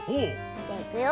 じゃいくよ。